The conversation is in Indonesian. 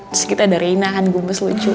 terus kita ada rina kan gumbes lucu